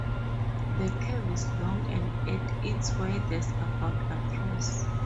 The curve is long and, at its widest, about across.